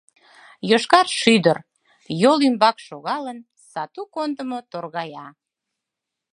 «Йошкар шӱдыр» йол ӱмбак шогалын, сату кондымо, торгая.